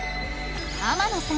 天野さん